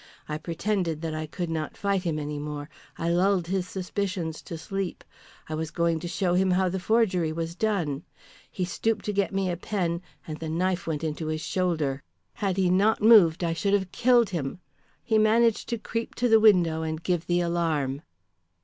I pretended that I could not fight him any more; I lulled his suspicions to sleep. I was going to show him how the forgery was done. He stooped to get me a pen and the knife went into his shoulder. Had he not moved I should have killed him. He managed to creep to the window and give the alarm."